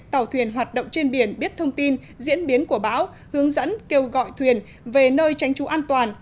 tàu thuyền hoạt động trên biển biết thông tin diễn biến của bão hướng dẫn kêu gọi thuyền về nơi tránh trú an toàn